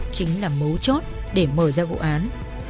chính là mấu chốt để mở ra vụ án